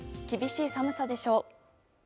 厳しい寒さでしょう。